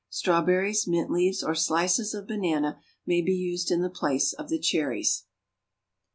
Strawberries, mint leaves, or slices of banana may be used in the place of the cherries.